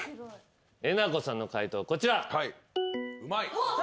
えなこさんの解答こちら。